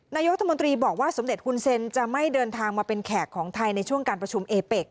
นายกรัฐมนตรีบอกว่าสมเด็จฮุนเซ็นจะไม่เดินทางมาเป็นแขกของไทยในช่วงการประชุมเอเป็ก